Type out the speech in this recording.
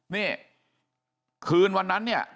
นี่คืนวันนั้นเนี่ย